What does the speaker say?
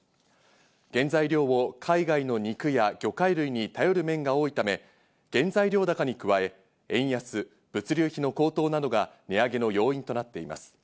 原材料を海外の肉や魚介類に頼る面が多いため、原材料高に加え、円安、物流費の高騰などが値上げの要因となっています。